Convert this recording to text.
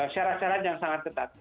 syarat syarat yang sangat ketat